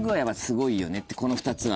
この２つは。